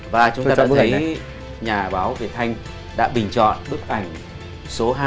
và chúng ta đã thấy nhà báo việt thanh đã bình chọn bức ảnh số hai